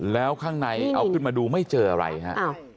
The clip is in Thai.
แล้วข้างในเอาขึ้นมาดูไม่เจออะไรฮะ